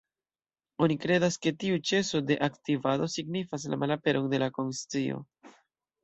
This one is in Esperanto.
Oni kredas, ke tiu ĉeso de aktivado signifas la malaperon de la konscio.